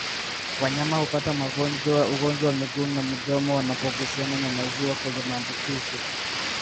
Wanyama hupata ugonjwa wa miguu na midomo wanapogusana na maziwa yenye maambukizi